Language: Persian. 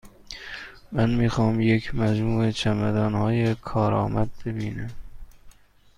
من می خواهم یک مجموعه چمدانهای کارآمد ببینم.